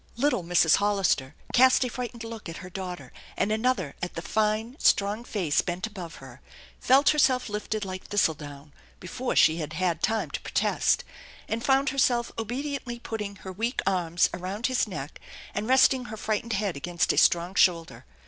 Little Mrs. Hollister cast a frightened look at her daughter and another at the fine, strong face bent above her, felt herself lifted like thistle down before she had had time to protest, and found herself obediently putting her weak arms around his neck and resting her frightened head against a strong shoulder.